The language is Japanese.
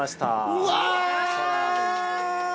うわ！